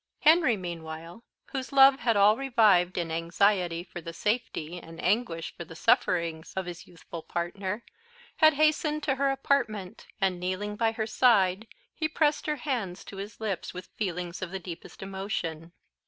Henry, meanwhile, whose love had all revived in anxiety for the safety, and anguish for the sufferings of his youthful partner, had hastened to her apartment, and, kneeling by her side, he pressed her hands to his lips with feelings of the deepest emotion.